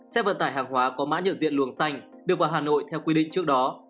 xe vận tải hàng hóa có mã nhận diện luồng xanh đưa vào hà nội theo quy định trước đó